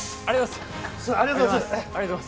ありがとうございます。